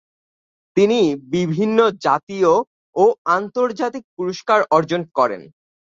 তিনি বিভিন্ন জাতীয় ও আন্তর্জাতিক পুরস্কার অর্জন করেন।